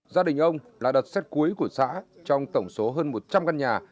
gia đình ông là đặt xét cuối của xã trong tổng số hơn một trăm linh căn nhà